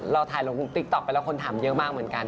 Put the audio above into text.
เราถ่ายลงติ๊กต๊อกไปแล้วคนถามเยอะมากเหมือนกัน